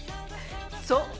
そう。